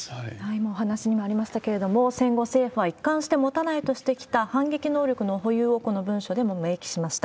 今お話にもありましたけれども、戦後、政府は一貫して持たないとしてきた反撃能力の保有を、この文書でも明記しました。